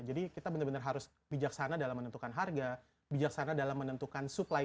jadi kita benar benar harus bijaksana dalam menentukan harga bijaksana dalam menentukan supply